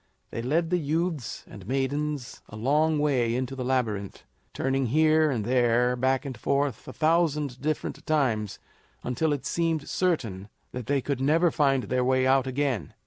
They led the youths and maidens a long way into the Labyrinth, turning here and there, back and forth, a thousand different times, until it seemed certain that they could never find their way out again.